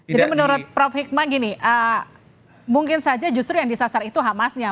jadi menurut prof hikmah gini mungkin saja justru yang disasar itu hamasnya